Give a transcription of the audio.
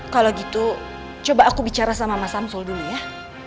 kalau gitu coba aku bicara sama mas samsul dulu ya